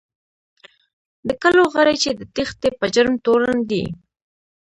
د کلو غړي چې د تېښتې په جرم تورن دي.